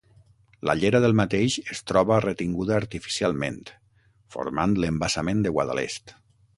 La llera del mateix es troba retinguda artificialment, formant l'Embassament de Guadalest.